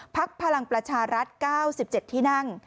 พลังประชารัฐ๙๗ที่นั่ง